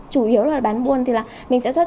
chủ yếu là bán buôn thì là mình sẽ xuất